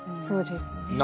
そうですね。